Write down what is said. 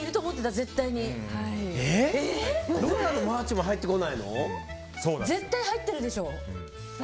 絶対入ってるでしょ。